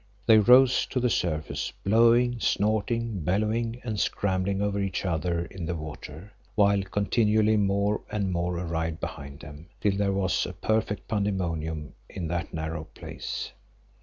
They rose to the surface, blowing, snorting, bellowing and scrambling over each other in the water, while continually more and more arrived behind them, till there was a perfect pandemonium in that narrow place.